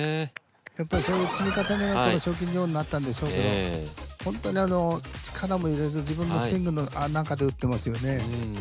やっぱりそういう積み重ねが賞金女王になったんでしょうけどほんとに力も入れず自分のスイングの中で打ってますよね。